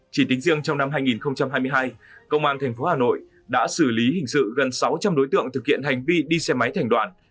chỉ tính riêng trong năm hai nghìn hai mươi hai công an tp hà nội đã xử lý hình sự gần sáu trăm linh đối tượng thực hiện hành vi đi xe máy thành đoạn